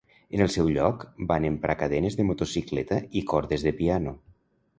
En el seu lloc, van emprar cadenes de motocicleta i cordes de piano.